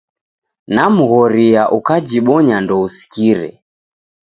Namghoria ukajibonya ndousikire.